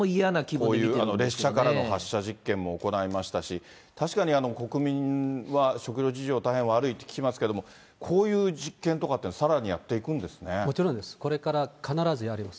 こういう列車からの発射実験も行いましたし、確かに、国民は食料事情、大変悪いって聞きますけれども、こういう実験とかっていうのは、もちろんです、これから必ずやります。